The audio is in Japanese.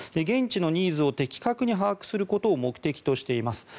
現地のニーズを的確に把握することを目的としています。